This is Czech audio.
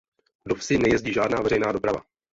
Do vsi nejezdí žádná veřejná doprava.